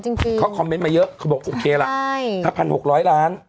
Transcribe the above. จริงจริงเขามาเยอะเขาบอกโอเคละใช่ถ้าพันหกร้อยล้าน